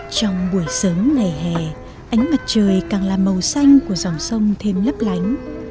trong buổi sớm ngày hè ánh mặt trời càng là màu xanh của dòng sông thêm lấp lánh